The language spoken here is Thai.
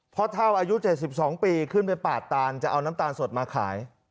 เท่าอายุ๗๒ปีขึ้นไปปาดตานจะเอาน้ำตาลสดมาขาย